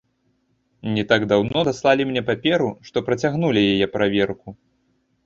Не так даўно даслалі мне паперу, што працягнулі яе праверку.